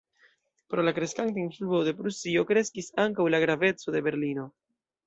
Pro la kreskanta influo de Prusio kreskis ankaŭ la graveco de Berlino.